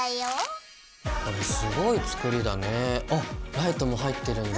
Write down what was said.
ライトも入ってるんだ。